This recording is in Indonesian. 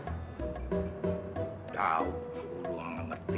tidak aku doang tidak mengerti